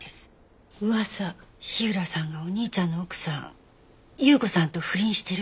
火浦さんがお兄ちゃんの奥さん有雨子さんと不倫してるって。